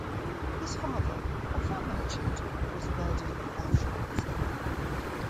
His father, a fur merchant, was murdered in Auschwitz.